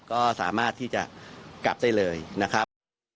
ก็สามารถที่จะกลับได้เลยนะครับ